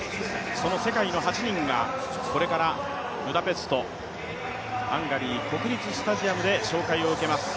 その世界の８人がこれからブダペスト・ハンガリー国立スタジアムで紹介を受けます。